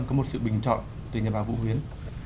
có một sự bình chọn từ nhà báo vũ huyến